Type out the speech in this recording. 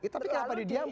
tapi kenapa didiamkan